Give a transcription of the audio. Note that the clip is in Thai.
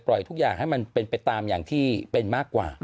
ทุกอย่างให้มันเป็นไปตามอย่างที่เป็นมากกว่า